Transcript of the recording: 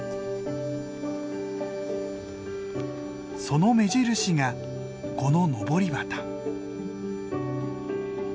その目印がこののぼり旗。